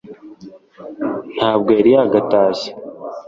ntabwo yari yagatashye